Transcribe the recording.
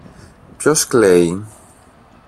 Ποιος κλαίει;